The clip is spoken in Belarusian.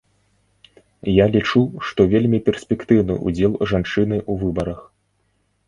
Я лічу, што вельмі перспектыўны ўдзел жанчыны ў выбарах.